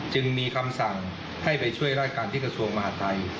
จึงมีคำสั่งให้ไปช่วยราชการที่กระทรวงมหาดไทย